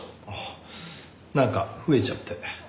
なんか増えちゃって。